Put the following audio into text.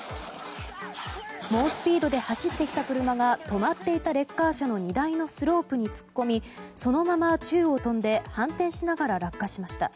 猛スピードで走ってきた車が止まっていたレッカー車の荷台のスロープに突っ込みそのまま宙を飛んで反転しながら落下しました。